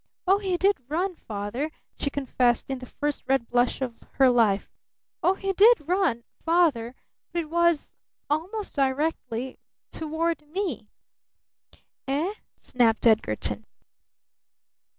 Oh, he did run, Father!" she confessed in the first red blush of her life. "Oh, he did run, Father, but it was almost directly toward me!" "Eh?" snapped Edgarton.